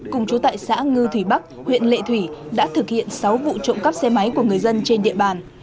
cùng chú tại xã ngư thủy bắc huyện lệ thủy đã thực hiện sáu vụ trộm cắp xe máy của người dân trên địa bàn